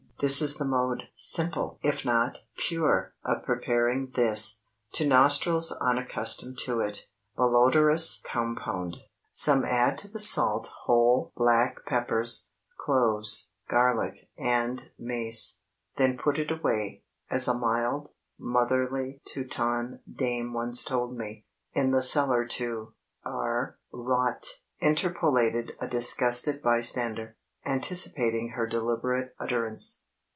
This is the mode simple if not pure of preparing this, to nostrils unaccustomed to it, malodorous compound. Some add to the salt whole black peppers, cloves, garlic, and mace,—"then put it away," as a mild, motherly Teuton dame once told me, "in the cellar to r—"—"Rot!" interpolated a disgusted bystander, anticipating her deliberate utterance.